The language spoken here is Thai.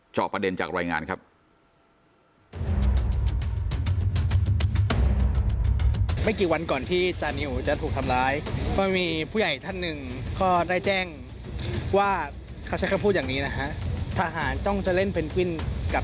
จอบประเด็นจากรายงานครับ